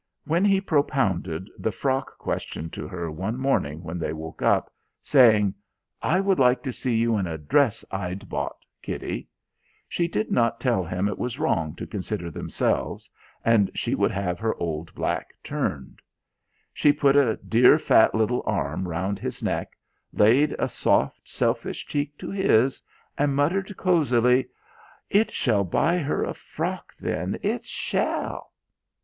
When he propounded the frock question to her one morning when they woke up, saying: "I would like to see you in a dress I'd bought, Kitty," she did not tell him it was wrong to consider themselves, and she would have her old black turned. She put a dear fat little arm round his neck, laid a soft selfish cheek to his, and muttered cosily, "It shall buy her a frock then. It shall."